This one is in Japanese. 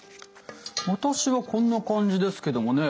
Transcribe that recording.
私はこんな感じですけどもね。